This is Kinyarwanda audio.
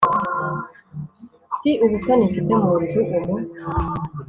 si ubutoni mfite mu nzu umu